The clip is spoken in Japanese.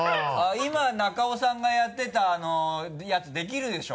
今中尾さんがやってたやつできるでしょ？